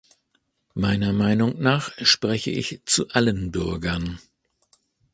Meiner Meinung nach spreche ich zu allen Bürgern.